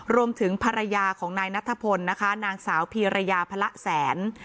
รวมถึงภรรยาของนายนัทพลนะคะนางสาวพีรยาพระแสน